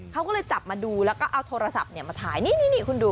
เขาก็เลยจับมาดูแล้วก็เอาโทรศัพท์มาถ่ายนี่คุณดู